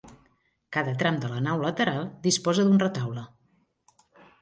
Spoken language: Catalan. Cada tram de nau lateral disposa d'un retaule.